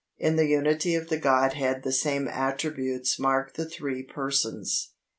In the unity of the Godhead the same attributes mark the three Persons. SECTION 5.